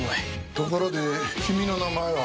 ところで君の名前は？